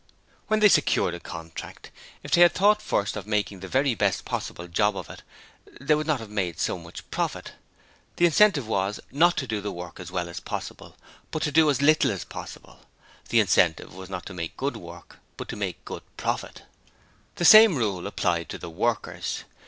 When they secured a contract, if they had thought first of making the very best possible job of it, they would not have made so much profit. The incentive was not to do the work as well as possible, but to do as little as possible. The incentive was not to make good work, but to make good profit. The same rule applied to the workers.